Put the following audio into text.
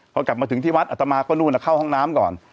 พอกลับมาถึงที่วัดอัตมาก็นู่นเข้าห้องน้ำก่อน